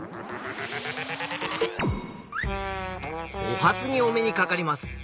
お初にお目にかかります。